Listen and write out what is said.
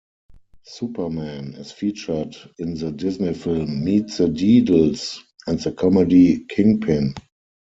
"Superman" is featured in the Disney film "Meet the Deedles" and the comedy "Kingpin".